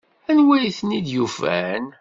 Anwa ay ten-id-yufan?